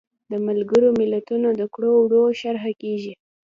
د ملګرو ملتونو د کړو وړو شرحه کیږي.